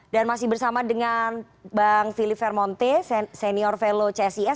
dan masih bersama dengan bang philip vermonte senior fellow csis